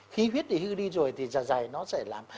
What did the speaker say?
khí huyết bị hư đi rồi thì dài dài nó sẽ làm